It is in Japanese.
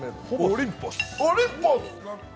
オリンポス！